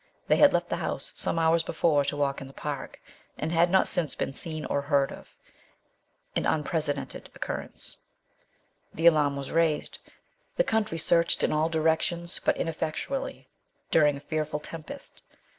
They had left the house some hours before to walk in the park, and had not since been seen or heard of, an unprecedented occurrence. The alarm was raised ; the country searched in all directions, but ineffectually, during a fearful tempest.